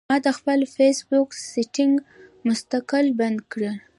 ما د خپل فېس بک سېټنګ مستقل بدل کړۀ